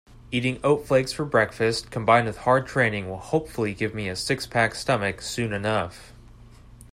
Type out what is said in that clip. Eating oat flakes for breakfast combined with hard training will hopefully give me a six-pack stomach soon enough.